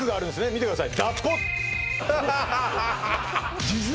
見てください